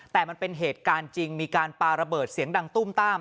แต่มันเป็นเหตุการณ์จริงมีการปาระเบิดเสียงดังตุ้มต้าม